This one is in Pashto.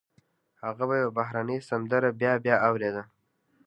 هغه به يوه بهرنۍ سندره بيا بيا اورېده.